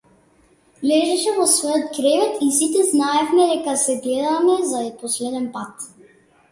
Лежеше во својот кревет и сите знаевме дека се гледаме за последен пат.